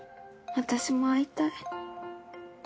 私も会いたい。